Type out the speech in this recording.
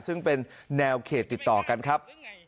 ซึ่งเป็นแนวเขตติดต่อกันครับ